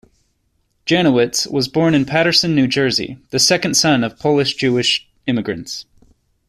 Janowitz was born in Paterson, New Jersey, the second son of Polish-Jewish immigrants.